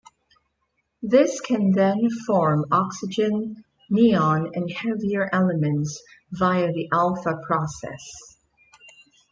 This can then form oxygen, neon, and heavier elements via the alpha process.